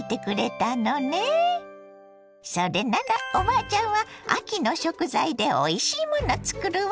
それならおばあちゃんは秋の食材でおいしいもの作るわ！